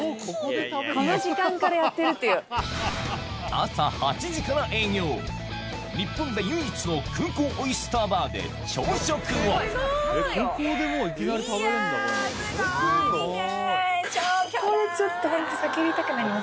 朝８時から営業日本で唯一の空港オイスターバーで朝食をすごい！いやすごい見て！